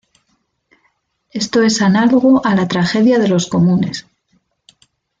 Esto es análogo a la tragedia de los comunes.